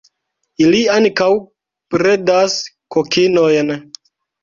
Ili ankaŭ bredas kokinojn.